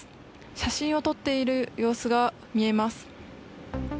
写真を撮っている様子が見えます。